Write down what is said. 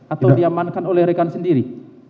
atau diamankan oleh rekan sendiri